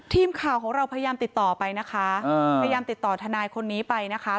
ทีมข่าวของเราพยายามติดต่อไปนะคะพยายามติดต่อทนายคนนี้ไปนะคะ